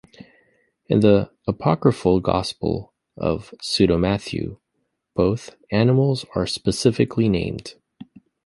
In the apocryphal Gospel of Pseudo-Matthew, both animals are specifically named.